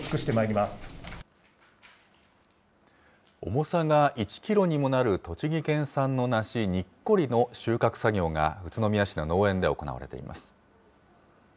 重さが１キロにもなる栃木県産の梨、にっこりの収穫作業が、宇都宮市の農園で行われています。